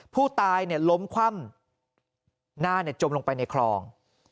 ผู้ตายล้มคว่ำหน้าจมลงไปในคลอง